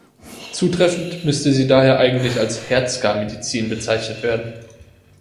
Zutreffend müsste sie daher eigentlich als „Hertzka-Medizin“ bezeichnet werden.